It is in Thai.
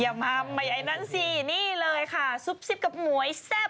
อย่ามาใหม่ไอ้นั่นสินี่เลยค่ะซุปซิบกับหมวยแซ่บ